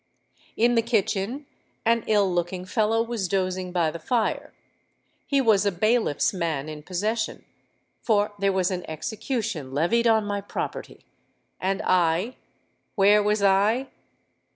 In the kitchen an ill looking fellow was dozing by the fire:—he was a bailiff's man in possession—for there was an execution levied on my property. And I—where was I?